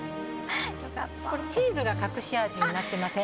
チーズが隠し味になっていません？